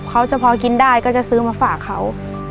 เขาจะพอกินได้ก็จะซื้อมาฝากเขา